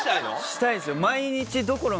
したいですよ。